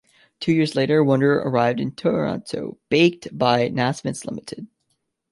Two years later, Wonder arrived in Toronto, baked by Nasmiths Limited.